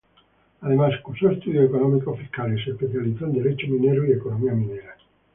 Además, cursó estudios económicos fiscales, se especializó en derecho minero y economía minera.